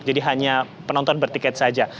jadi hanya penonton bertiket saja